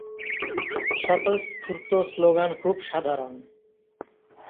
স্বতঃস্ফূর্ত স্লোগান খুব সাধারণ।